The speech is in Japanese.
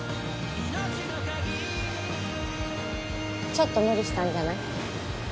ちょっと無理したんじゃない？